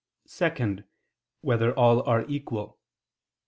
(2) Whether all are equal?